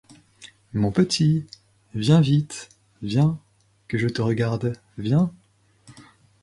Mon petit... viens vite... viens... que je te regarde... viens...